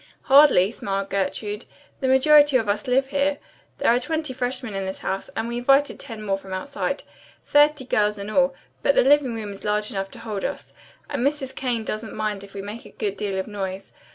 "Hardly," smiled Gertrude, "the majority of us live here. There are twenty freshmen in this house, and we invited ten more from outside. Thirty girls in all, but the living room is large enough to hold us, and Mrs. Kane doesn't mind if we make a good deal of noise.